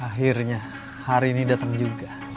akhirnya hari ini datang juga